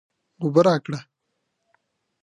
اوبه راکړه